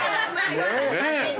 ねえ。